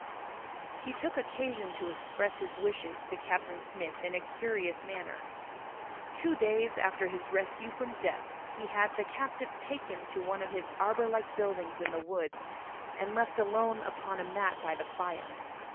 He took occasion to express his wishes to Captain Smith in a curious manner. Two days after his rescue from death he had the captive taken to one of his arbour like buildings in the woods and left alone upon a mat by the fire.